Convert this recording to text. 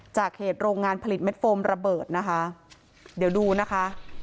จากเหตุโรงงานผลิตเม็ดโฟมระเบิดนะคะเดี๋ยวดูนะคะ